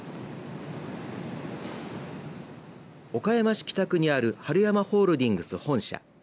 岡山市北区にあるはるやまホールディングス本社。